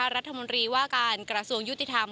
รัฐมนตรีว่าการกระทรวงยุติธรรม